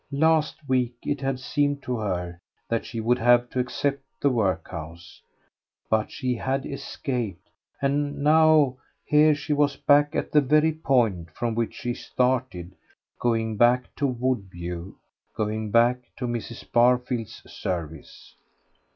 Last week it had seemed to her that she would have to accept the workhouse. But she had escaped, and now here she was back at the very point from which she started, going back to Woodview, going back to Mrs. Barfield's service.